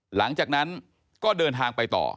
หลังจากนั้นก็เดินทางไปต่อ